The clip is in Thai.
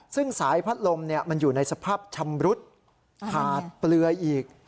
ซึ่งสายพัดลมมันอยู่ในสภาพชำรุดขาดเปลือยอีก